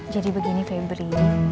jadi begini febri